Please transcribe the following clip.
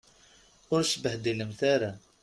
Ur sbehdilemt ara.